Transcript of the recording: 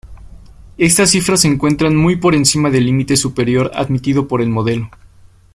Estas cifras se encuentran muy por encima del límite superior admitido por el modelo.